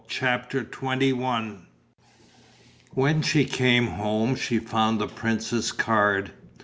CHAPTER XXI When she came home she found the prince's card.